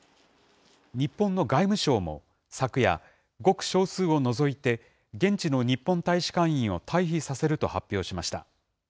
日本の外務省も昨夜、ごく少数を除いて現地の日本大使館員を退避させると発表しました。